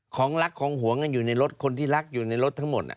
ของรักของหวงกันอยู่ในรถคนที่รักอยู่ในรถทั้งหมด